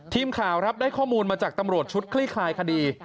ทีมข่าวครับได้ข้อมูลมาจากตำรวจชุดคลี่คลายคดี